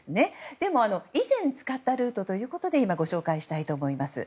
でも以前、使ったルートということでご紹介したいと思います。